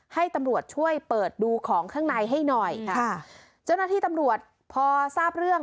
ให้ตำรวจช่วยเปิดดูของข้างในให้หน่อยค่ะเจ้าหน้าที่ตำรวจพอทราบเรื่อง